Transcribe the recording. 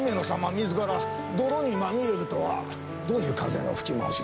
自ら泥にまみれるとはどういう風の吹き回しです？